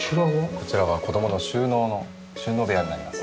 こちらは子供の収納の収納部屋になります。